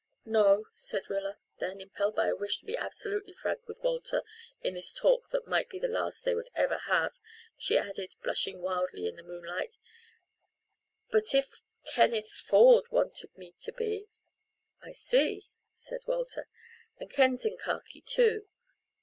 "No," said Rilla. Then, impelled by a wish to be absolutely frank with Walter in this talk that might be the last they would ever have, she added, blushing wildly in the moonlight, "but if Kenneth Ford wanted me to be " "I see," said Walter. "And Ken's in khaki, too.